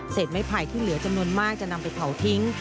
ไม้ไผ่ที่เหลือจำนวนมากจะนำไปเผาทิ้ง